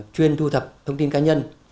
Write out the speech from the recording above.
chuyên thu thập thông tin cá nhân